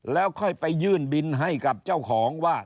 แล้วค่อยไปยื่นบินให้กับเจ้าของว่า